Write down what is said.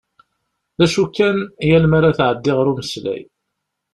D acu kan yal mi ara tɛeddi ɣer umeslay.